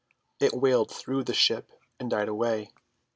It wailed through the ship, and died away.